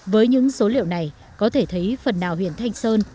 với những số liệu này có thể thấy phần nào huyện thanh sơn